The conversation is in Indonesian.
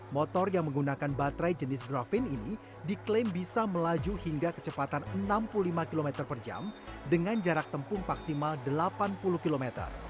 motor yang menggunakan baterai jenis grafin ini diklaim bisa melaju hingga kecepatan enam puluh lima km per jam dengan jarak tempuh maksimal delapan puluh km